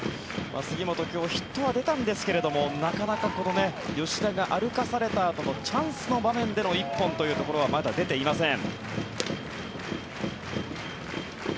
杉本、今日ヒットは出たんですがなかなか吉田が歩かされたあとのチャンスの場面での１本はまだ出ていません。